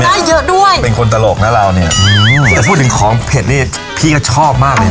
นี่นี่นี่มากเยอะด้วยเป็นคนตลกนะเรานี่อืมแต่พูดถึงของเผ็ดนี่พี่ก็ชอบมากเลย